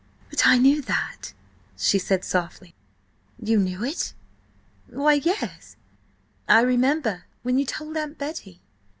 "But I knew that," she said softly. "You knew it?" "Why, yes! I remember when you told Aunt Betty."